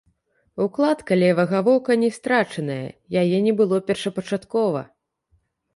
Укладка левага вока не страчаная, яе не было першапачаткова.